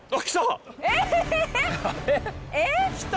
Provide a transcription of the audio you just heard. ええっ？来た！